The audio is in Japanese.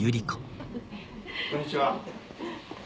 こんにちは。